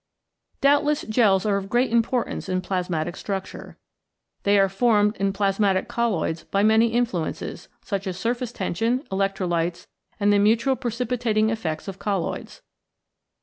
Doubtless gels are of great importance in plasmatic structure. They are formed in plasmatic colloids by many influences, such as surface tension, electrolytes, and the mutual precipitating effects of colloids.